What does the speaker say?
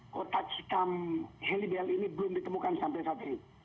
kotak hitam helibl ini belum ditemukan sampai saat ini